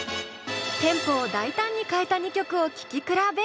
テンポを大胆に変えた２曲を聴き比べ！